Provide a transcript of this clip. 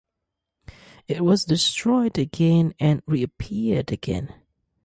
It was destroyed again and reappeared again.